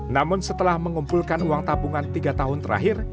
namun setelah mengumpulkan uang tabungan tiga tahun terakhir